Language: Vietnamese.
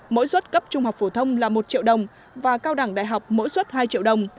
mỗi suất cấp trung học phổ thông là một triệu đồng và cao đẳng đại học mỗi suất hai triệu đồng